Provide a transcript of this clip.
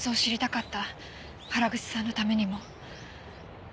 原口さんのためにも。